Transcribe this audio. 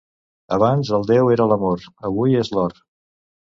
Abans el déu era l'amor, avui és l'or.